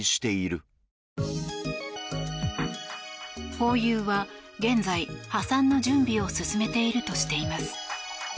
ホーユーは現在、破産の準備を進めているとしています。